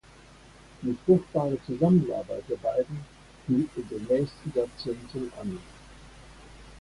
Die fruchtbare Zusammenarbeit der beiden hielt in den nächsten Jahrzehnten an.